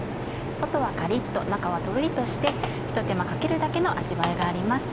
外はカリっと中はトロリとしてひと手間かけるだけの味わいがあります。